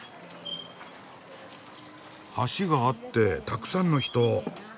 橋があってたくさんの人。